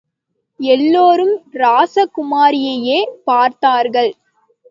எல்லோரும் ராசகுமாரியையே பார்த்தார்கள்.